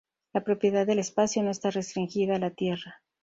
La propiedad del espacio no está restringida a la tierra.